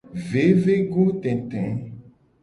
Vevegotete.